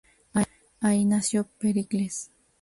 Allí nació Pericles.